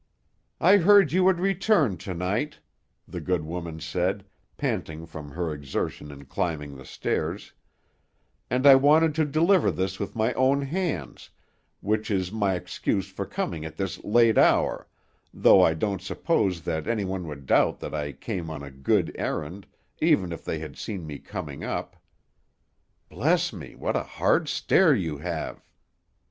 "I heard you would return to night," the good woman said, panting from her exertion in climbing the stairs, "and I wanted to deliver this with my own hands, which is my excuse for coming at this late hour, though I don't suppose that any one would doubt that I came on a good errand, even if they had seen me coming up. Bless me, what a hard stair you have!"